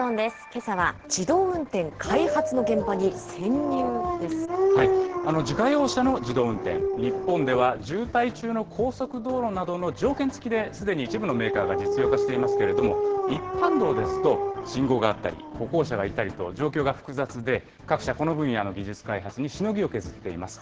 けさは、自家用車の自動運転、日本では渋滞中の高速道路などの条件付きですでに一部のメーカーが実用化していますけれども、一般道ですと、信号があったり、歩行者がいたりと、状況が複雑で、各社、この分野の技術開発にしのぎを削っています。